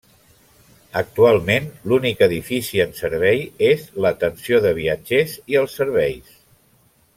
Actualment l'únic edifici en servei és l'atenció de viatgers i els serveis.